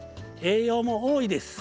栄養も多いです。